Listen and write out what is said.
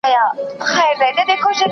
هغه څوک چي شګه پاکوي منظم وي.